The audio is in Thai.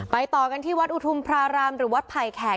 ต่อกันที่วัดอุทุมพระรามหรือวัดไผ่แขก